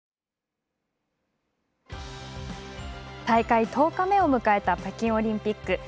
大会１０日目を迎えた北京オリンピック。